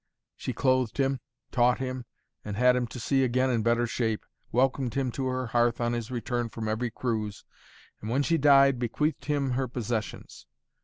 She clothed him, taught him, and had him to sea again in better shape, welcomed him to her hearth on his return from every cruise, and when she died bequeathed him her possessions.